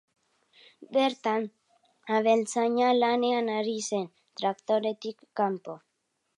Bertan, abeltzaina lanean ari zen, traktoretik kanpo.